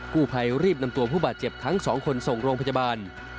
ผู้ภัยรีบนำตัวผู้บาดเจ็บทั้งสองคนส่งโรงพยาบาล